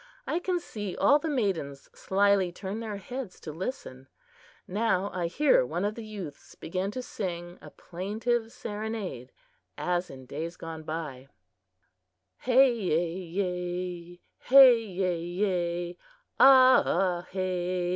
I can see all the maidens slyly turn their heads to listen. Now I hear one of the youths begin to sing a plaintive serenade as in days gone by: "Hay ay ay! Hay ay ay! a ahay ay!"